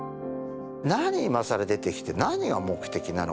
何いまさら出てきて、何が目的なの？